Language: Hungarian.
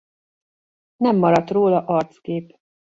Nem maradt róla arckép.